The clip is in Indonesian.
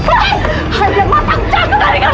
kamu jangan psychiatrican lu crap